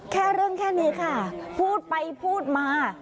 แค่เรื่องแค่นี้ค่ะพูดไปพูดมา